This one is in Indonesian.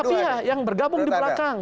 partai mualaf ya yang bergabung di belakang